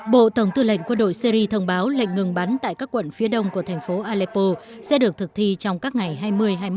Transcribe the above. bộ tổng tư lệnh quân đội syri thông báo lệnh ngừng bắn tại các quận phía đông của thành phố aleppo sẽ được thực thi trong các ngày hôm nay